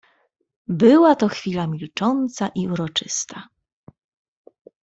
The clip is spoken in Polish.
"Była to chwila milcząca i uroczysta."